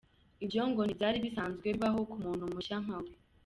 Ibyo ngo ntibyari bisanzwe bibaho ku muntu mushya nka we.